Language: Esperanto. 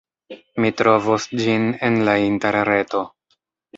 Mi trovos ĝin en la Interreto.